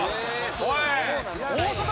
おい！